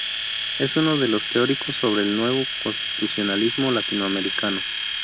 Es uno de los teóricos sobre el "Nuevo constitucionalismo latinoamericano".